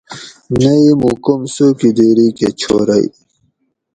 نہ ای موں کم څوکیدیری کہ چھورئی